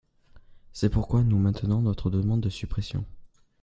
C’est pourquoi nous maintenant notre demande de suppression.